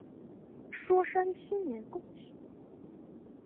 说声新年恭喜